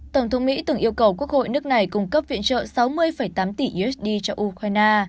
tổng thống mỹ từng yêu cầu quốc hội nước này cung cấp viện trợ sáu mươi tám tỷ usd cho ukraine